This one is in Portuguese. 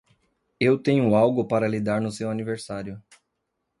Eu tenho algo para lhe dar no seu aniversário.